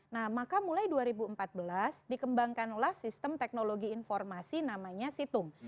nah maka mulai dua ribu empat belas dikembangkanlah sistem teknologi informasi namanya situng